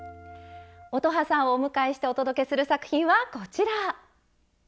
乙葉さんをお迎えしてお届けする作品はこちら。